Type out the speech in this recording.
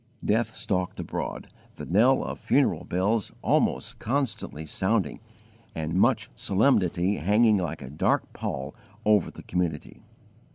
Death stalked abroad, the knell of funeral bells almost constantly sounding, and much solemnity hanging like a dark pall over the community.